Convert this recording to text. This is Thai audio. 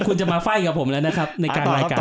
คุณจะมาไฟ่กับผมแล้วนะครับในการรายการ